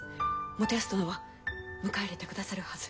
元康殿は迎え入れてくださるはず。